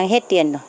hết tiền rồi